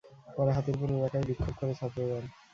পরে হাতিরপুল এলাকায় বিক্ষোভ করে ছাত্রদল।